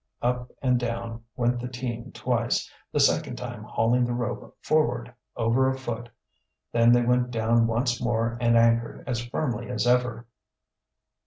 Up and down went the team twice, the second time hauling the rope forward over a foot. Then they went down once more and anchored as firmly as ever.